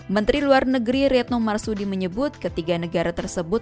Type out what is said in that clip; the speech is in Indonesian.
menteri luar negeri retno marsudi menyebut ketiga negara tersebut